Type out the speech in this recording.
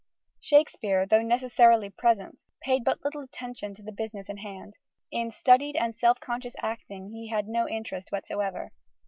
Shakespeare, though necessarily present, paid but little attention to the business in hand. In studied and self conscious acting he had no interest whatsoever.